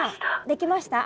できました？